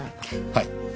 はい。